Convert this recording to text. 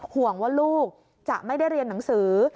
ห่วงว่าลูกจะไม่ได้เรียนหนังสือ